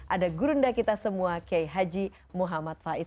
ada gurunda kita semua kiai haji muhammad faiz